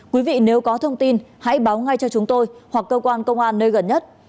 quý vị nếu có thông tin hãy báo ngay cho chúng tôi hoặc cơ quan công an nơi gần nhất